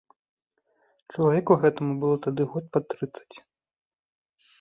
Чалавеку гэтаму было тады год пад трыццаць.